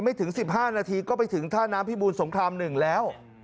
ถึง๑๕นาทีก็ไปถึงท่าน้ำพิบูรสงคราม๑แล้ว